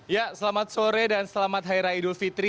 ya selamat sore dan selamat haira idul fitri